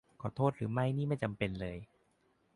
ขอโทษหรือไม่นี่ไม่จำเป็นเลย